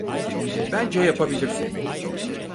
Bence yapabilirsin.